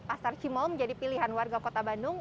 pasar cimol menjadi pilihan warga kota bandung